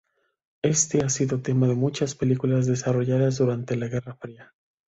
Éste ha sido tema de muchas películas desarrolladas durante la guerra fría.